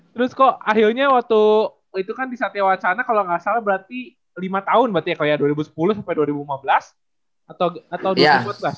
terus kok akhirnya waktu itu kan di satewacana kalo gak salah berarti lima tahun berarti ya